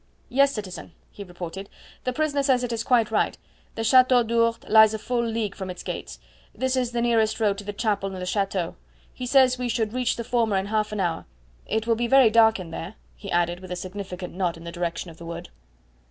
"Yes, citizen," he reported, "the prisoner says it is quite right. The Chateau d'Ourde lies a full league from its gates. This is the nearest road to the chapel and the chateau. He says we should reach the former in half an hour. It will be very dark in there," he added with a significant nod in the direction of the wood.